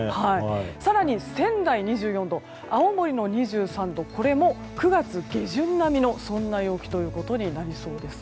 更に、仙台の２４度青森の２３度これも９月下旬並みの陽気となりそうです。